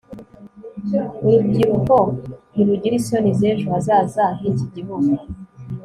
urubyiruko ntirugira isoni z'ejo hazaza h'iki gihugu